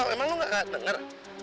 gak tau emang lo gak denger